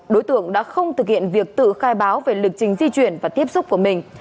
đối tượng đã không thực hiện việc tự khai báo về lịch trình di chuyển và tiếp xúc của mình